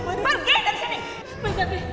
pergi dari sini